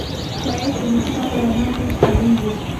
ښایست د موسکا له رڼا سره ښکاریږي